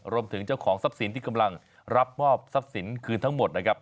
รวมถึงเจ้าของทรัพย์สินที่กำลังรับมอบทรัพย์สินคืนทั้งหมดนะครับ